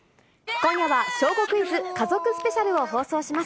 今夜は小５クイズ、家族スペシャルを放送します。